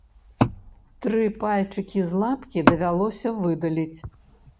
Тры пальчыкі з лапкі давялося выдаліць.